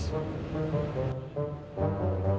bos dari mana bos